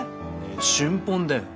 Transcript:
春本だよ。